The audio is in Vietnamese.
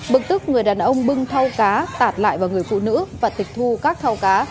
bực tức người đàn ông bưng thao cá tạt lại vào người phụ nữ và tịch thu các thao cá